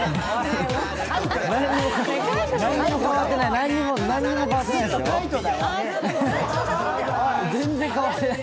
何も変わってない。